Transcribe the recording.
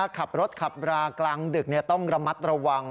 ขับรถขับรากลางดึกต้องระมัดระวัง